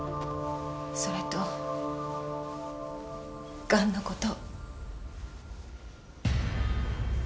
それとがんのこと。